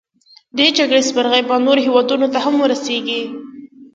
دې جګړې سپرغۍ به نورو هیوادونو ته هم ورسیږي.